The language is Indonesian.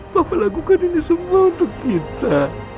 bapak lakukan ini semua untuk kita